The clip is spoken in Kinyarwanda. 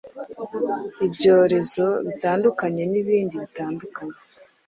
ibyorezo bitandukanye n’ibindi bitandukanye